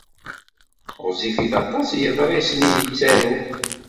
Ɣezzifit aṭas yeḍrisen i yettaru.